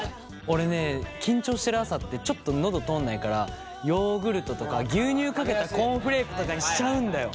俺ね緊張してる朝ってちょっと喉通んないからヨーグルトとか牛乳かけたコーンフレークとかにしちゃうんだよ。